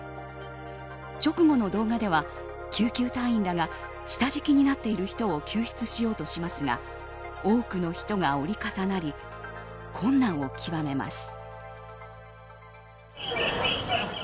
直後の動画では救急隊員らが下敷きになっている人を救出しようとしますが多くの人が折り重なり困難を極めます。